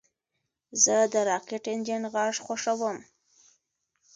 زه د راکټ انجن غږ خوښوم.